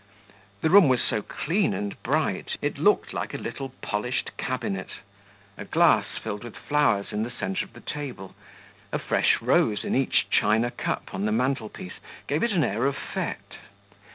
The room was so clean and bright, it looked like a little polished cabinet; a glass filled with flowers in the centre of the table, a fresh rose in each china cup on the mantelpiece gave it an air of FETE.